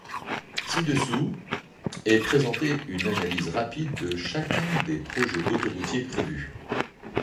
Ci-dessous, est présentée une analyse rapide de chacun des projets autoroutiers prévus.